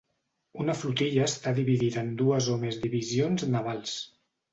Una flotilla està dividida en dues o més divisions navals.